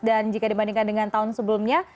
dan jika dibandingkan dengan tahun sebelumnya